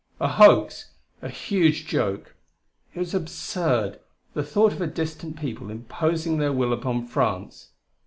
A hoax! a huge joke! it was absurd, the thought of a distant people imposing their will upon France!